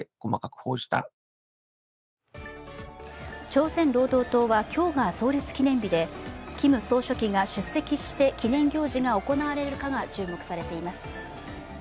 朝鮮労働党は今日が創立記念日でキム総書記が出席して記念行事が行われるかが注目されています。